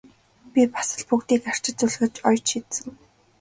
Би бас л бүгдийг арчиж зүлгэж оёж шидсэн!